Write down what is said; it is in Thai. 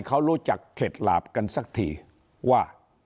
เขารู้จักเข็ดหลาบกันสักทีว่า